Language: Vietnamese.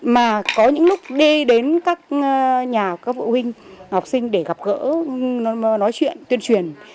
mà có những lúc đi đến các nhà các vụ huynh học sinh để gặp gỡ nói chuyện tuyên truyền